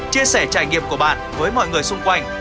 chia sẻ trải nghiệm của bạn với mọi người xung quanh